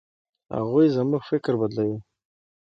هغوی زموږ فکر بدلوي.